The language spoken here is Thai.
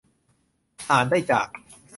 อ่านได้จาก